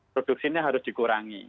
produksinya harus dikurangi